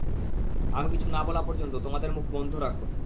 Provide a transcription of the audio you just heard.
আমি কিছু না বলা পর্যন্ত, তোমাদের মুখ বন্ধ রাখো।